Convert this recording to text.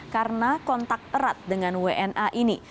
karena kontak erat dengan wna ini